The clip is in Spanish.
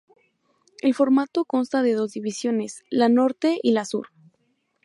El formato consta de dos divisiones, la norte y la sur.